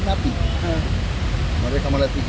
ada yayasan jira pelatih